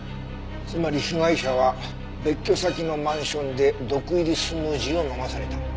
つまり被害者は別居先のマンションで毒入りスムージーを飲まされた。